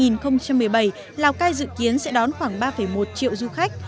năm hai nghìn một mươi bảy lào cai dự kiến sẽ đón khoảng ba một triệu du khách